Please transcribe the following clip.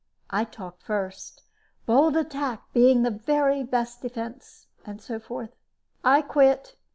I talked first, bold attack being the best defense and so forth. "I quit.